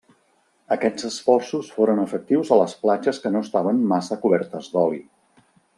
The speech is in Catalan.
Aquests esforços foren efectius a les platges que no estaven massa cobertes d'oli.